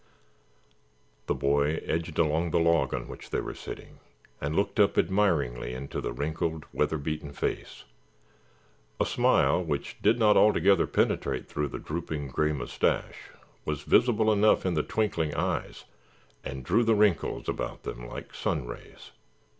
The boy edged along the log on which they were sitting and looked up admiringly into the wrinkled, weatherbeaten face. A smile which did not altogether penetrate through the drooping gray mustache was visible enough in the twinkling eyes and drew the wrinkles about them like sun rays.